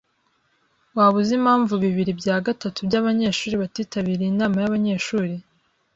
Waba uzi impamvu bibiri bya gatatu byabanyeshuri batitabiriye inama yabanyeshuri?